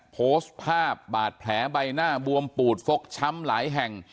โพสต์ภาพบาดแผลใบหน้าบวมปูดฟกช้ำหลายแห่ง